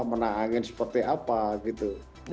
menang angin seperti apa gitu